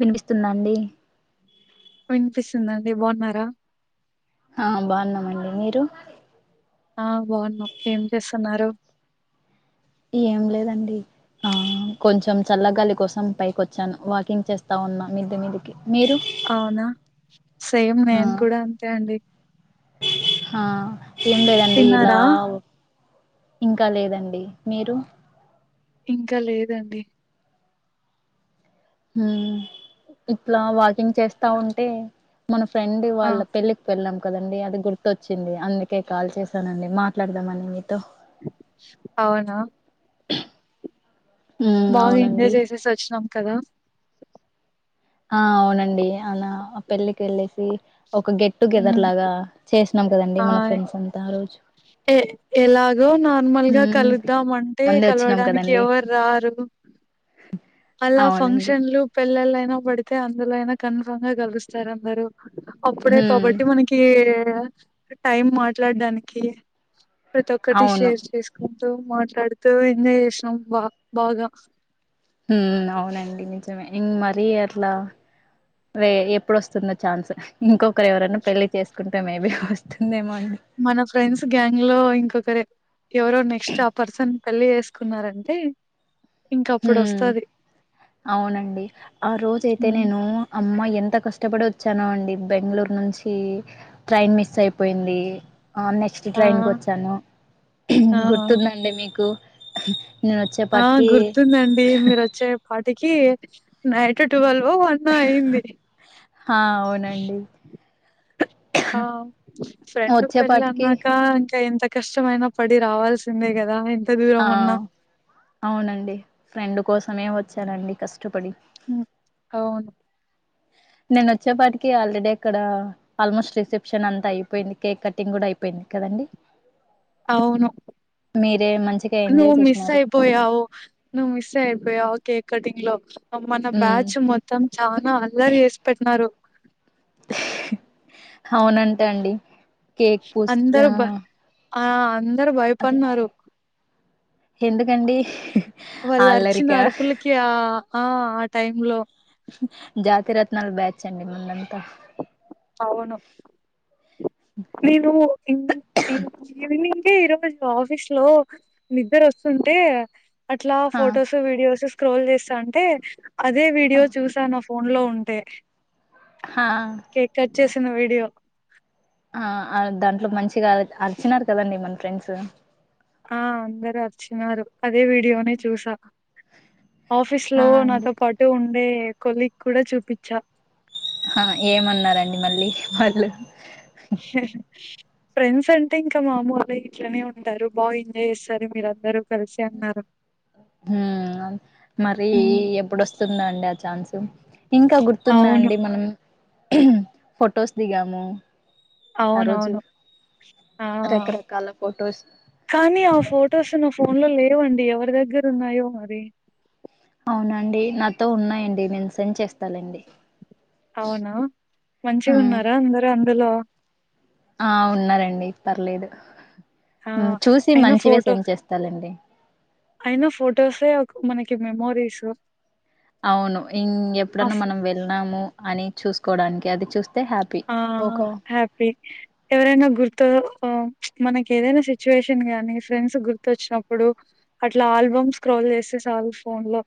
వినిపిస్తుందా అండి వినిపిస్తుందండి బాగున్నారా ఆ బాగున్నామండి మీరు ఆ బాగున్నాం ఏం చేస్తున్నారు ఏం లేదండి ఆ కొంచెం చల్లగాలి కోసం పైకి వచ్చాను వాకింగ్ చేస్తా ఉన్నా మిద్ది మీదికి మీరు అవునా సేమ్ ఆ నేను కూడా అంతే అండి ఆ ఏం లేదండి ఇలా తిన్నారా ఇంకా లేదండి మీరు ఇంకా లేదండి హుమ్ ఇట్లా వాకింగ్ చేస్తా ఉంటే మన ఫ్రెండ్ ఆ! వాళ్ళ పెళ్లికి వెళ్ళాం కదండీ అది గుర్తొచ్చింది అందుకే కాల్ చేశానండి మాట్లాడదామని మీతో అవునా హ్మ్ బాగా ఎంజాయ్ అవునండి చేసేసి వచ్చినాం కదా ఆ అవునండి అలా పెళ్లికెళ్లేసి ఉమ్ కదండి మన అయ్ ఫ్రెండ్స్ అంతా ఆ రోజు ఎ ఎలాగో నార్మల్గా హ్మ్ కలుద్దామంటే మంది వచ్చినాం కలవడానికి కదండి ఎవర్రారు అలా అవునండి ఫంక్షన్లు పెల్ ల్లలయినా పడితే అందులో అయినా కన్ఫామ్గా కలుస్తారు అందరూ అప్పుడే హ్మ్ కాబట్టి మనకీ [unintelligible] టైం మాట్లాడ్డానికి ప్రతొక్కటి అవును షేర్ చేసుకు తు మాట్లాడుతూ ఎంజాయ్ జేసినాం బా బాగా మ్మ్ అవునండి నిజమే ఇన్ మరీ అట్లా రే ఎప్పుడొస్తుందో ఛాన్స్ ఇంకొకరెవరన్న పెళ్లి చేసుకుంటే మేబీ వస్తుందేమో అండి మన ఫ్రెండ్స్ గ్యాంగ్లో ఇంకొకరే ఎవరో నెక్స్ట్ ఆ పర్సన్ పెళ్ళి జేస్కున్నారంటే మ్ అవునండి. ఆ రోజైతే హ్మ్ నేను అమ్మాయి ఎంత కష్టపడొచ్చానో అండి బెంగళూరు నుంచీ ట్రైన్ మిస్సయిపోయింది ఆ నెక్స్ట్ ఆ ట్రైన్కొచ్చాను ఆ గుర్తుందండి మీకు నేనొచ్చేప్పాటికి దాన్తెముంది మీరు వచ్చే పాటిక్ కీ నైట్ టువెల్ ఓ వన్నో అయింది ఆ! అవునండి. ఆ ఫ్రెండ్ వచ్చేపాటికి పెళ్ళాన్నాక ఇంకా ఎంత కష్టమైన పడి రావాల్సిందే కదా ఆ దూరం ఉన్నా అవునండి ఫ్రెండు కోసమే వచ్చానండి కష్టపడి హ్మ్ అవును నేనొచ్చేప్పాటికి ఆల్రెడీ అక్కడ ఆల్మోస్ట్ రిసెప్షనంతా అయిపోయింది కేక్ కట్టింగ్ కూడా అయిపోయింది కదండి అవును మంచిగా నువ్ ఎంజాయ్ చేసినారు. మిస్సైపోయావు నువ్ మిస్సైఅపోయావు కేక్ కటింగ్ లో మన హ్మ్. బ్యాచ్ మొత్తం చానా అల్లరి చేసి పెట్టినారు అవునంటా అండి కేక్ పూసి ఆ అందరూ బ ఆ అం సరే అదే భయపన్నారు ఎందుకండి వాళ్ళు అరిచిన అల్లరిక అరుపులకి ఆ ఆ ఆ టైమ్ లో జాతిరత్ నాల్ బ్యాచ్ అండి మన్మంతా అవును నేను ఈ ఈ రోజ్ ఈవ్నింగ్ యే ఈ రోజు ఆఫీస్ లో నిద్దర వస్తుంటే అట్లా హా ఫొటోసు వీడియోసెస్ స్క్రోల్ చేస్తా ఉంటే అదే వీడియో చూసాను ఫోన్ లో ఉంటే హా కేక్ కట్ చేసిన వీడియో ఆ అ దాంట్లో మంచిగా అరిచినారు కదండి మన ఫ్రెండ్స్ ఆ అందరు అర్చినారు అదే వీడియోనే చూసా ఆఫీస్ హా లో అండి నాతో పాటు ఉ దే కొలిక్ కూడా చూపిచ్చా ఆ ఏమన్నారంండి మళ్ళీ వాళ్ళు ఫ్రెండ్స్ అంటే ఇంకా మామూలె ఇట్లనే ఉంటారు బాగా ఎంజాయ్ చేస్తారు మీర అందరూ కలిసి అన్నారు. హ్మ్ మరి హ్మ్. ఎప్పుడొస్తుందండి ఆ ఛాన్స్ ఇంకా గుర్తుందా అవును. అండి మనం ఫోటోస్ దిగాము ఆ రోజు అవునవును ఆ రకరకాల ఫొటోస్ కానీ ఆ ఫొటోస్ నా ఫో న్లోలో లేవండి ఎవరి దగ్గర ఉన్నాయో మరి అవునండి నాతో ఉన్నాయండి. నేను సెండ్ చేస్తాలేండి. అవునా మంచిగా హ్మ్. ఉన్నారా అందరు అ హలో ఆ ఉన్నారండి పర్లేదు ఆ! చూసి అయినా మంచిగా ఫోటో సెండ్ చేస్తాలెండి. అయినా ఫొటోసే ఒక మనకి మెమోరీస్ అవును ఇ ఎప్పుడన్నా మనం వెళ్నాము అని చూసుకోవడానికి అది చూస్ ఆ హ్యాపీ ఎవరైనా గుర్తు ఆ మనకి ఏదైనా సిచ్యువేషన్ గాని ఫ్రెండ్స్ గుర్తొచ్చినప్పుడు అట్లా ఆల్బమ్ స్క్రోల్ చేస్తే సాలు ఫోన్ లో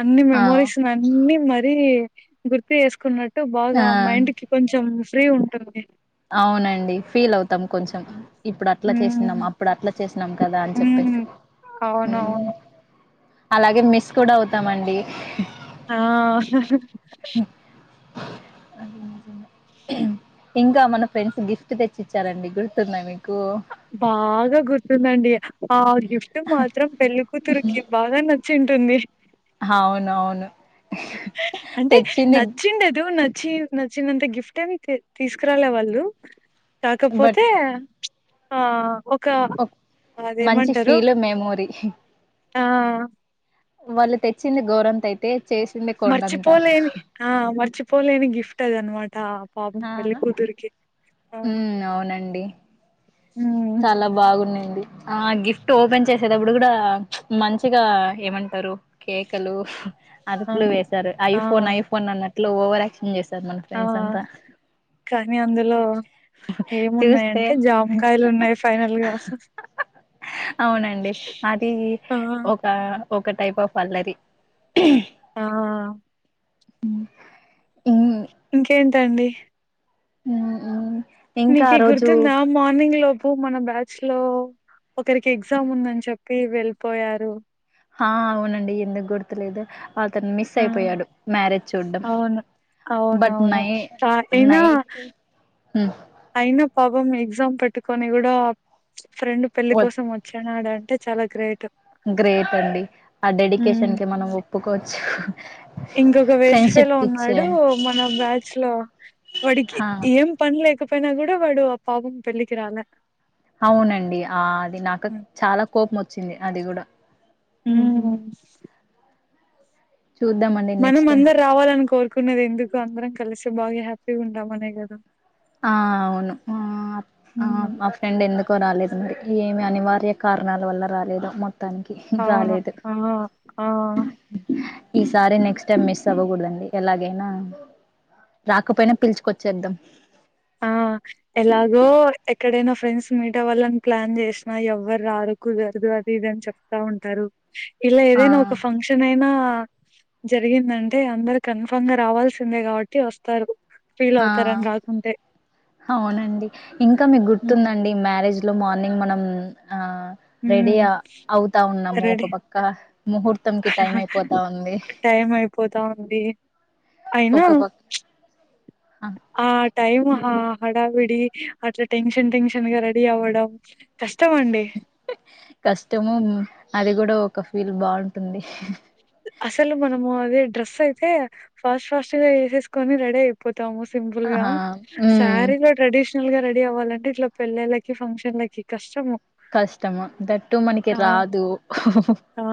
అన్ని ఆ మెమోరీస్ అన్ని మ అన్నీ గుర్తు చేసుకుని మ బాగా ఆ మైండ్ కొంచెం ఫ్రీ ఉంటది అవునండి ఫీల్ అవుతాం కొంచెం ఇప్పుడు అట్లా చేసినాం హ్మ్ అప్పుడు అట్లా చేసినాం కదా అని చెప్పేసి హ్మ్ అవునవును అలాగే మిస్ కూడా అవుతామండి. ఆ ఇం ంక మన ఫ్రెండ్స్ గిఫ్ట్ తెచ్చిచ్చారండి గుర్తుందా మీ బాగా గుర్తుందండి ఆ గిఫ్ట్ మాత్రం పెళ్ళి కూతురుకి బాగా నచ్ చ్చింటుంది. అవునవును అంటే నచ్చిండదు నచ్ నచ్చి నచ్చినంత గిఫ్ట్ ఏవి తీ తీసుకురాల వాళ్ళు కాకపోతే ఆ ఒక ఓహ్ మంచి అదేమంటారు ఫీల్ మెమోరీ ఆ వాళ్ళు తెచ్చింది గోరంత అయితే చేసింది కొండంత మర్చిపోలేని ఆ మర్చిపోలేని గిఫ్ట్ తదనుమా తా పాపం వెళ్ళి అవునా కూతురుకి ఉమ్ అవునండి చాలా బాగున్నింది ఆ గిఫ్ట్ ఓపెన్ చేసేటప్పుడు కూడా మంచిగా ఏమంటారు కేకలు ఆ అదుపులో వేసారు ఆ ఐఫోన్ ఐఫోన్ అన్నట్ ఇంట్లో ఓవర్యాక్షన్ చేస్త సార్ మన ఆ ఫ్రెండ్స్ అంత కానీ అందులో చూస్తే ఏమున్నాయంటే జామకాయలు ఉన్నాయి ఫైనల్గా అవునండి అది ఒక ఒక టైప్ ఆఫ్ అల్లరి ఆ ఏఢ ఇంకేంటం ఉకి నీకు గుర్తుందా మార్నింగ్ అప్పు మన బ్యాచ్ లో ఒకరికి ఎగ్జామ్ ఉందని చెప్పి వెళ్ళిపోయారు హ అవునండి ఎందుకు గుర్తులేదు. అతను మిస్ ఆ అయిపోయాడు మ్యారేజ్ చూడ్డం అవును బట్ అవునవును నై అయినా నైట్ అయినా పాపం ఎగ్జామ్ పెట్టుకొని కూడా ఫ్రెండ్ పెళ్లి వద్ కోసం వచ్చి నాడంట అంటే చాలా గ్రేట్ గ్రేట్ అండి ఆ హ్మ్. డెడికేషన్ కి మనం ఒప్పుకోవచ్చు ఇంకొక వేస్ట్ ఫెలో ఫ్రెండ్‌షిప్‌కిచ్చే ఉన్నాడు మన బ్యాచ్ లో వాడికి ఆ! ఏం పని లేకపో పోయినా కూడ వాడు పాపం పెళ్ళికి రాల అవునండి ఆ అది నాకు హ్మ్. చాలా కోపం వచ్చింది అది కూడా హ్మ్. మనం నెక్స్ట్ టైమ్. అందర్ రావాలన్ కోర్ అకున్నది ఎందుకు అందరం కలిసి బాగా హ్యాపీగా ఉంటామనే కదా ఆ అవును ఆ ఆ హ్మ్. మా ఫ్రెండ్ ఎందుకో రాలేదు మ ఏమి అనివార్య కారణాల వల్ల రాలేదొ మొ మొత్తానికి అవును రాలేదు ఆ ఆ ఈసారి నెక్స్ట్ టైం మిస్ అవ్వకూడదండి ఎలాగైనా రాకపోయినా పిలుచుకొచ్చేద్దాం ఆ ఎలాగో ఎక్కడైనా ఫ్రెండ్స్ మీట్ అవాళ్లని ప్లాన్ చేసినా ఎవ్వరు రారు కుదరదు అది ఇదని చెప్తా ఉంటారు ఇలా ఆ ఏదైనా ఒక ఫంక్షన్ అయినా జరిగిందంటే అందరు కన్ఫామ్ గా రావాల్సిందే కాబట్టి వస్తారు ఫీల్ ఆ అవుతార అని రాకుంటే అవునండి ఇంకా మీకు హ్మ్ గుర్తుందండి మ్యారేజ్ లో మార్నింగ్ మనం ఆ రెడీ హ్మ్. ఆ అవుతా ఉన్నాము ఒక రెడీ పక్క ముహూర్తంకి టైం అయిపోతా ఉంది టైం అయిపోతా ఉంది అయినా ఒక ప ఆ టైమ్ హా హడావిడి అట్లా టెన్షన్ టెన్షన్ గా రెడీ అవ్వడం కష్టం అండి కష్టము అది కూడా ఒక ఫీల్ బాగుంటుంది అసలు మనము [unintelligible] అయితే ఫాస్ట్ ఫాస్ట్ గా వేసేసుకొని రెడీ అయిపో తాము సింపుల్గా ఆహా ఉమ్ శారీగా ట్రెడిష్ షనల్ రెడీ అవ్వాలంటే ఇట్లా పెళ్ళిళ్ళకి ఫంక్షన్లకి కష్టం కష్టము దట్టు మనకి రాదు ఆ!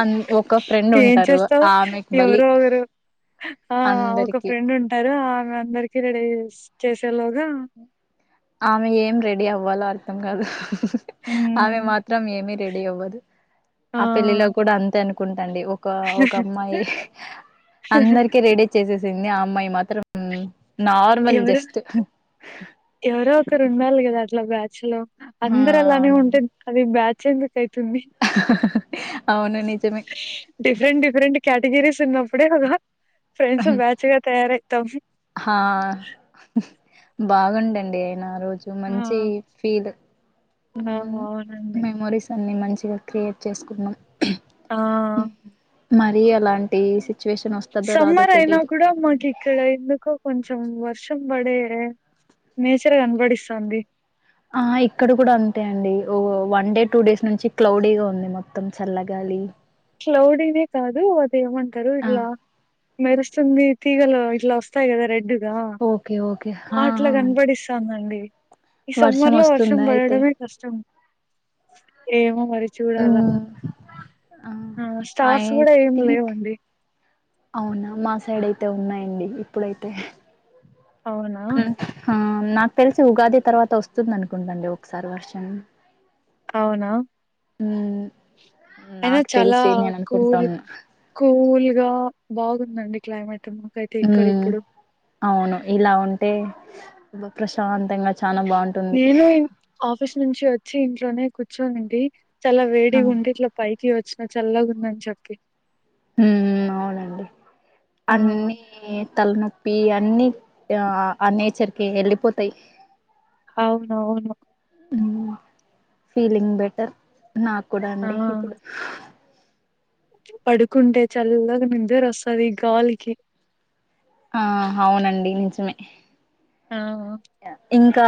అన్ ఒక ఫ్రెండ్ ఏం ఉంటారు చేస్తావు ఆమెకి బలి ఎవరో ఓగరు ఆ ఒక అందరికి ఫ్రెండ్ ఉంటారు ఆమె అందరికి రెడీ చెస్ చే ఆమె ఏం రెడి అవ్ వాలో అర్థం కాదు ఆమె హ్మ్. మాత్రం ఏమి రెడీ అవ్వదు ఆ పెళ్లిలో కూడా అంతే ఆన్ ఆండీ ఒక ఒక అమ్మాయి అందరికి రెడీ చేసే ఆ అమ్మాయి మాత్రం నార్మల్ ఎవరో జస్ట్ ఎవరో ఒకరు ఉండాలి కదా అట్లా బ్యాచ్ లో ఆ అందరలానే ఉంటే అవునండి అది బ్యా చిందుక్ [unintelligible] చింది అవును నిజమే డిఫరెంట్ డిఫరెంట్ క్యాటగిరీస్ చిన్నప్పుడే కదా ఫ్రెండ్స్ బ్యాచ్ గా తయారయితం హా బాగుండండి ఆ రోజు ఆ మంచి ఫీల్ ఆ అవునండి కొన్ని మంచిగా క్రియేట్ చేసుకున్నాం ఆ మరి అలాంటి సిచ్యువేషన్ వస్తదో రాదో సమ్మర్ అయినా తెలీదు కూడా మాకు ఇక్కడ ఎందుకు కొంచం కొంచం వర్షం పడే నేచర్ కనబడిస్తుంది ఆ ఇక్కడ కూడా అంతే అండి ఓ వన్ డే టూ డేస్ నుంచి క్లౌడీగా ఉంది మొత్తం చల్లగాలి క్లౌడీనే కాదు అదేమంటారు ఆ! తిగలు ఇట్లా వస్తాయి కదా రెడ్ ఓకే. ఓకే. ఆ! అట్లా ఆ! కనపడిస్తాందండి ఈ సమ్మర్ లో వర్షం వస్తుందా అయితే? పడడమే కష్టం ఏమో మరి చూడాల హ్మ్. ఆ ఐ స్టోర్స్ కూడా ఏమి థింక్ లేవండి తే ఉన్నాయండి ఇప్పుడైతే అవునా హ నాకు తెలిసి ఉగాది తర్వాత వస్తుంది అనుకుంటండి ఒకసారి వర్షం అవునా హ్మ్. అయినా నాకు చాలా తెలిసి నేను కూల్ అనుకుంటున్నా. కూల్గా బాగు నండి క్లైమేట్ మాకైతే ఇక్కడ హ్మ్. ఇప్పుడు అవును ఇలా ఉంటే ప్రశాంతంగా చానా బావుంటుంది. నేను ఇ ఆఫీస్ నుంచి వచ్చి ఇంట్లోనే కూర్చోనండి చాలా వేడి ఆ! ఉంది లో పయి కి వచ్చినా చల్లగా ఉందని చెప్పి ఉ అవునండి ఆ! అన్నీ తలనొప్పి పి అన్నిీ ఆ నేచర్ క వెళ్ళిపోతాయి అవునవును ఫీలింగ్ బెటర్ నాకు కూడా ఆ! అండి ఇప్పుడు పడుకుంటే చల్లగా నిద్దర వస్తది ఈ గాలికి ఆ అవునండి నిజమే ఆ! ఇంకా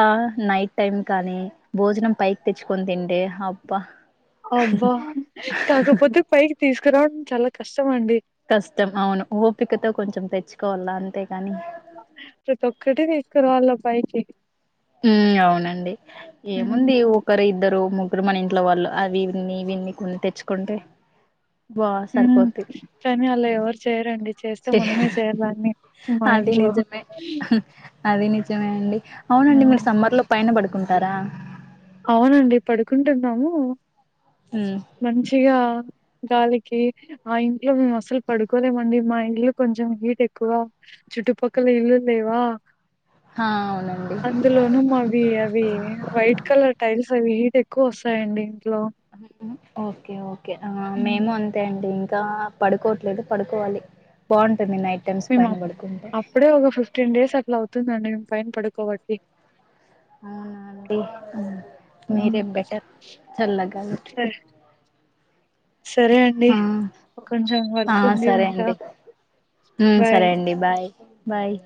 నైట్ టైమ్ కానీ భోజనం పైకి తెచ్చుకొని తింటే అబ్బా అబ్బా కాకపోతే పైకి తీస్ రాం చాలా కష్టం అండి. కష్టం అవును ఓపికతో కొంచెం తెచ్చుకోవాల అంతేగాని కటి తీసుకురావళ్ళ పైకి హ్మ్ అవునండి ఏముంది హ్మ్. ఒకరు ఇద్దరు ముగ్ గ్గురు మన ఇంట్లో వాళ్ళు అవిన్ని ఇవిన్ని కొన్ని తెచ్చుకుంటే బా సరిపోద్ది కానీ అలా ఎవరు చేయరండి. చేస్తే మనమే చే చేయాలాన్ని మా అది ఇంట్లో జమే అండి అవునండి ఆ! మీరు సమ్మర్ లో పైన పడు కుంటారా అవునండి పడుకుంటున్నాము. ఉమ్ మంచిగా గాలికి ఆ ఇంట్లో మేము అసలు పడుకోలేమండి. మా ఇల్లు కొంచెం హీట్ ఎక్కువ చుట్టుపక్కల ఇల్లు లేవా హా అవునండి అందులోను మావి అవి వైట్ కలర్ సల్ హీట్ ఎక్కువ వస్తాయండి. ఇంట్లో ఓకే ఓకే కే హ్మ్. మేము అంతే అండి ంకా పడుకోవట్లేదు పడుకోవాలి నైట్ టైమ్స్ మేము పైన అప్ పడుకుంటే అప్పుడే ఒక ఫిఫ్టీన్ డేస్ అట్లా అవుతుందండి. పైన పడుకోబట్టి అవునా అండీ హ్మ్. మీరే బెటర్ చల్ల గాలికి సరే సరే అండి. ఆ కొంచెం ఆ వర్క్ ఉంది సరే ఉంటా. అండి హ్మ్ బాయ్. సరే అండి బాయ్ బాయ్